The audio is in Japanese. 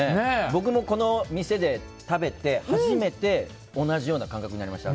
僕も、この店で食べて初めて同じような感覚になりました。